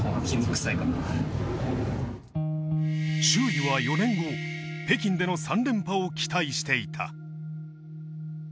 周囲は４年後、北京での３連覇を期待していた。